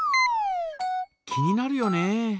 気になるよね。